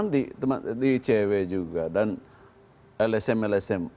enggak teman teman di cew juga dan lsm lsm